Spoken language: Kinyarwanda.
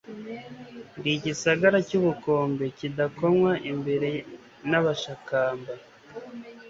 Ndi igisagara cy'ubukombe kidakomwa imbere n'abashakamba.